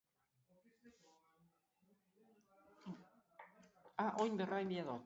Tabernetako jan-edan gehiegiak borroka gaiztoekin bukatu ohi dira.